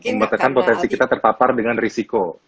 memetakan potensi kita terpapar dengan risiko